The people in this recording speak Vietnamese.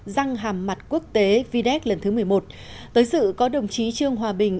răng hàm mặt quốc tế vides lần thứ một mươi một tới sự có đồng chí trương hòa bình